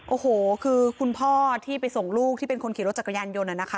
โอ้โหคือคุณพ่อที่ไปส่งลูกที่เป็นคนขี่รถจักรยานยนต์น่ะนะคะ